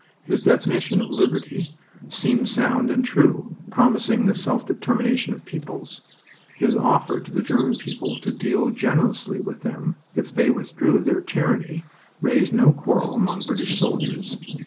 His definition of liberty seemed sound and true, promising the self determination of peoples. His offer to the German people to deal generously with them if they overthrew their tyranny raised no quarrel among British soldiers.